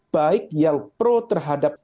baik yang pro terhadap